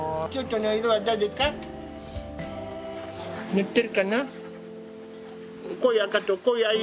塗ってるかな？